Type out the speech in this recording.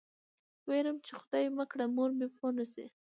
وېرېدم چې خدای مه کړه مور مې پوه نه شي.